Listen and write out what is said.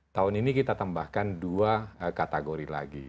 tahun ini kita tambahkan dua kategori lagi